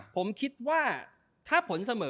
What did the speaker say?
ผมคิดว่าถ้าผลเสมอ